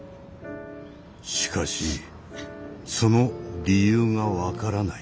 しかしその理由が分からない。